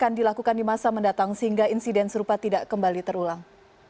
akan dilakukan di masa mendatang sehingga insiden serupa tidak kembali terulang